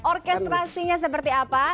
orkestrasinya seperti apa